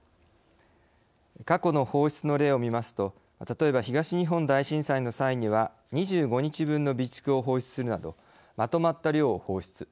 過去の放出の例を見ますと例えば東日本大震災の際には２５日分の備蓄を放出するなどまとまった量を放出。